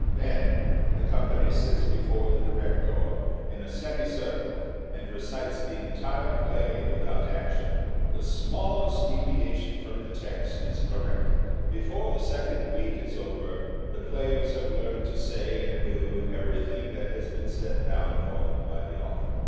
Then the company sits before the director in 152 The Theatre and Its People a semicircle and recites the entire play without action. The smallest deviation from the text is corrected. Before the second week is over the players have learned to say and do everything that has been set down for them by the author.